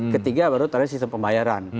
ketiga baru tadi sistem pembayaran